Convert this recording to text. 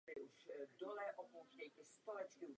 Opakuji, že o co tu jde, je demokracie.